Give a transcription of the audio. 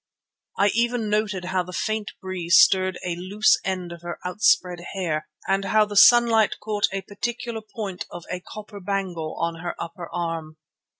I even noted how the faint breeze stirred a loose end of her outspread hair and how the sunlight caught a particular point of a copper bangle on her upper arm.